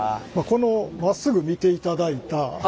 このまっすぐ見ていただいた